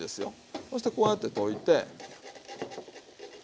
そしてこうやって溶いてね。